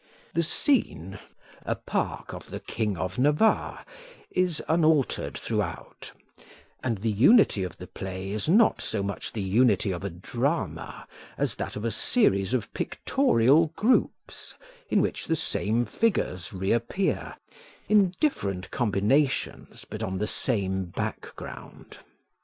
The scene a park of the King of Navarre is unaltered throughout; and the unity of the play is not so much the unity of a drama as that of a series of pictorial groups, in which the same figures reappear, in different combinations but on the same background.